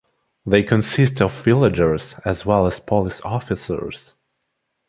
They consist of villagers as well as police officers.